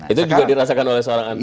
itu juga dirasakan oleh seorang anda